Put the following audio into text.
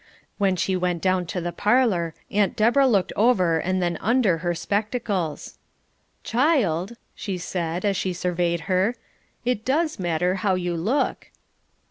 When she went down to the parlour, Aunt Deborah looked over and then under her spectacles. "Child," she said, as she surveyed her, "it does matter how you look."